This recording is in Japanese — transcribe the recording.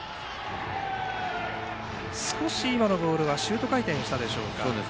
少し今のボールはシュート回転しましたね。